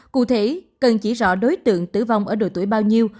cụ thể cần chỉ rõ đối tượng tử vong ở độ tuổi bao nhiêu